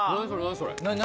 それ何？